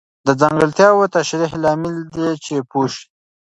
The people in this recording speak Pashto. د ځانګړتیاوو تشریح لامل دی چې پوه سئ.